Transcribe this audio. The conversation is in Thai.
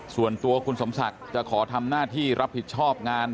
ส่วนตัวคุณสมศักดิ์จะขอทำหน้าที่รับผิดชอบงาน